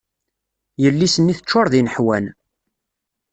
Yelli-s-nni teččur d ineḥwan.